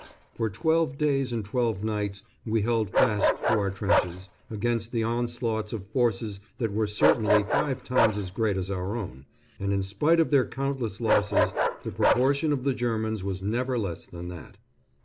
For twelve days and twelve nights we held fast to our trenches, against the onslaughts of forces that were certainly five times as great as our own and, in spite of their countless losses, the proportion of the Germans was never less than that.